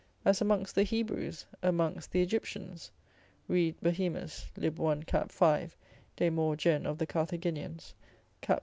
as amongst the Hebrews, amongst the Egyptians (read Bohemus l. 1. c. 5. de mor. gen. of the Carthaginians, cap.